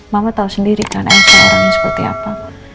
mama tahu sendiri kan aja orangnya seperti apa